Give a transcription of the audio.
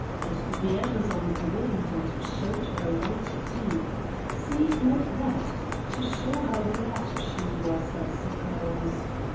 And the Amazon grinned and showed her white teeth—see, like that—to show how glad she was, I suppose.